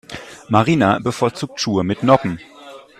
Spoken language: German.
Marina bevorzugt Schuhe mit Noppen.